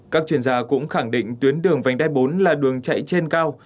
các chuyên gia cũng khẳng định tuyến đường vành đai bốn là đường chạy trên cao